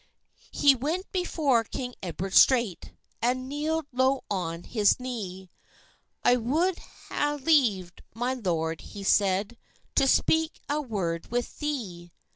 He went before king Edward straight, And kneel'd low on his knee: "I wou'd ha'e leave, my lord," he said, "To speak a word with thee."